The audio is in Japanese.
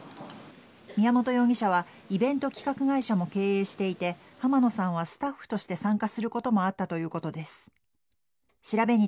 宮本容疑者はイベント企画会社も経営していて濱野さんはスタッフとして参加することもあったということです。